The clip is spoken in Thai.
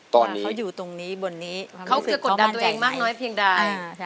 ตอนนี้เขาอยู่ตรงนี้บนนี้เขาจะกดดันตัวเองมากน้อยเพียงใด